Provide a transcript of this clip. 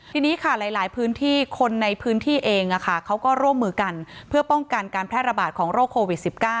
ทีนี้ค่ะหลายพื้นที่คนในพื้นที่เองเขาก็ร่วมมือกันเพื่อป้องกันการแพร่ระบาดของโรคโควิด๑๙